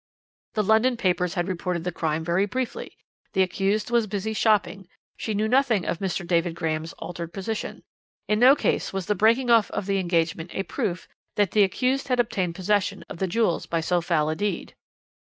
"'The London papers had reported the crime very briefly. The accused was busy shopping; she knew nothing of Mr. David Graham's altered position. In no case was the breaking off of the engagement a proof that the accused had obtained possession of the jewels by so foul a deed.'